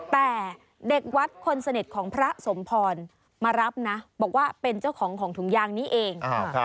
แต่เด็กวัดคนสนิทของพระสมพรมารับนะบอกว่าเป็นเจ้าของของถุงยางนี้เอง